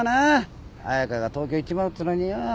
彩佳が東京行っちまうっつうのによ。